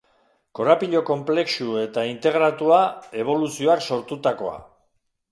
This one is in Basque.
Korapilo konplexu eta integratua, eboluzioak sortutakoa.